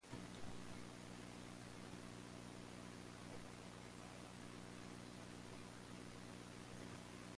He was a member of the Democratic Party, who served as Governor of Delaware.